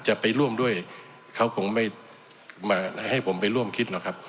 จะไปร่วมด้วยเขาคงไม่มาให้ผมไปร่วมคิดหรอกครับ